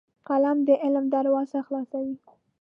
قلم د علم دروازې خلاصوي